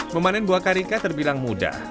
memanen buah karika terbilang mudah